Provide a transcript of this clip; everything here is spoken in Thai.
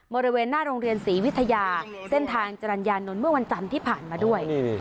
บริเวณหน้าโรงเรียนศรีวิทยาเส้นทางจรรยานนท์เมื่อวันจันทร์ที่ผ่านมาด้วย